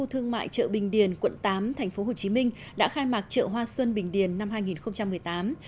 thương mại chợ bình điền quận tám tp hcm đã khai mạc chợ hoa xuân bình điền năm hai nghìn một mươi tám